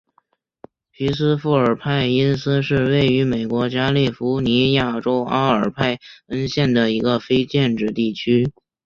皮斯富尔派因斯是位于美国加利福尼亚州阿尔派恩县的一个非建制地区。